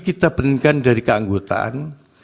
kita berikan dari keanggotaan